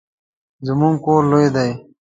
زموږ کور لوی دی